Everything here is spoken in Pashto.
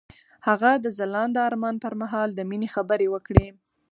هغه د ځلانده آرمان پر مهال د مینې خبرې وکړې.